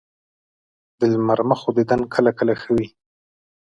د لمر مخو دیدن کله کله ښه وي